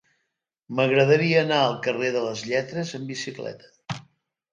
M'agradaria anar al carrer de les Lletres amb bicicleta.